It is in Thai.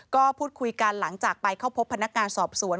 ก็พูดคุยกันหลังจากไปเข้าพบพนักงานสอบสวน